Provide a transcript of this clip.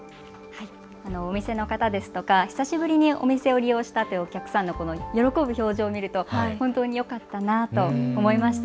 お店の方ですとか久しぶりにお店を利用したというお客さんのこの喜ぶ表情を見ると本当によかったなと思いました。